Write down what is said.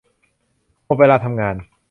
หมดเวลาทำงาน